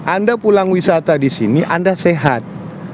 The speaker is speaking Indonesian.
anda pulang wisata disini anda sehat